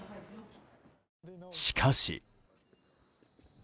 しかし。